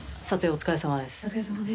お疲れさまです。